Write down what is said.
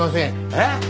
えっ？